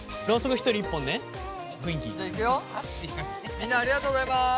みんなありがとうございます。